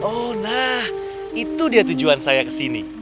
oh nah itu dia tujuan saya kesini